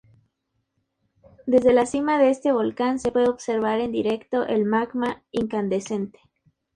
Desde la cima de este volcán se puede observar en directo el magma incandescente.